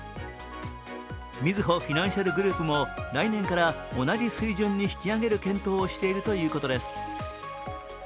みずほフィナンシャルグループも来年から同じ水準に引き上げる検討をしているということです。